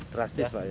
terastis pak ya